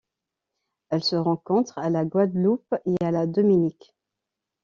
Elle se rencontre à la Guadeloupe et à la Dominique.